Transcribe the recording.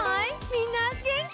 みんなげんき？